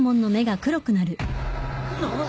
なっ！？